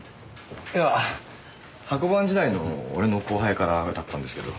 いや箱番時代の俺の後輩からだったんですけど。